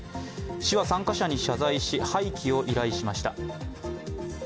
市は参加者に謝罪し、廃棄を依頼しました。